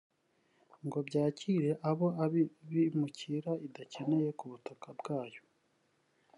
ngo byakire abo bimukira idakeneye ku butaka bwayo